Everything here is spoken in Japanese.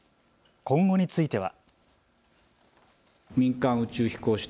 今後については。